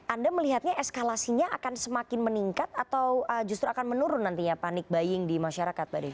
anda melihatnya eskalasinya akan semakin meningkat atau justru akan menurun nantinya panik buying di masyarakat